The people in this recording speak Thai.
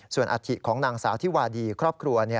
ส่วนอัฐิของนางสาวที่วาดีครอบครัว